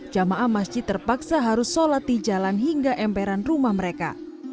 jamaah masjid terpaksa harus sholat di jalan hingga emperan rumah mereka